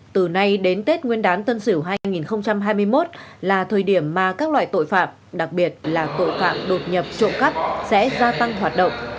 từ nay đến tết nguyên đán tân sửu hai nghìn hai mươi một là thời điểm mà các loại tội phạm đặc biệt là tội phạm đột nhập trộm cắp sẽ gia tăng hoạt động